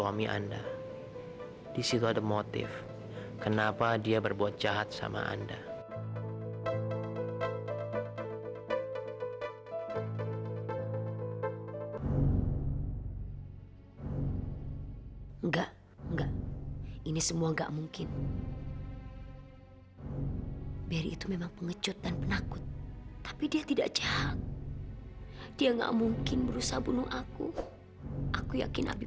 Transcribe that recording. hmm kelihatan pasti mau periksa ruang kerja aku nih